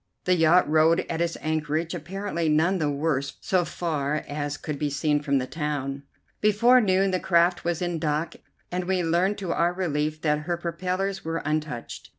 The yacht rode at its anchorage, apparently none the worse so far as could be seen from the town. Before noon the craft was in dock, and we learned to our relief that her propellers were untouched.